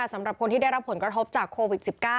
สำหรับคนที่ได้รับผลกระทบจากโควิด๑๙